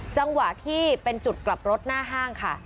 จังหวะที่เป็นจุดกลับรถหน้าห้างค่ะ